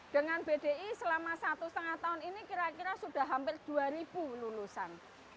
dengan bdi selama satu setengah tahun ini kira kira sudah hampir dua ribu lulusan